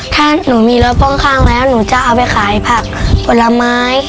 ถ้าหนูมีรถพ่วงข้างแล้วหนูจะเอาไปขายผักผลไม้